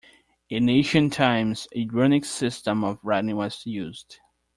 In ancient times a runic system of writing was used.